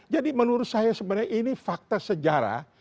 jadi menurut saya sebenarnya ini fakta sejarah